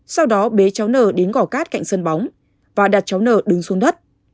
sau đó bế cháu nờ đến gò cát cạnh sân bóng và đặt cháu nờ đứng xuống đất